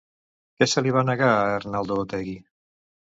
Què se li va negar a Arnaldo Otegi?